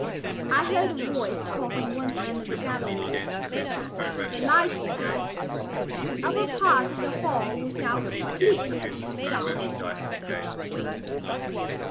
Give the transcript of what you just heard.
I heard a voice call from one end of the gallery that the light was out. The upper part of the hall was now completely dark.